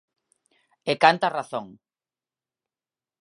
E canta razón.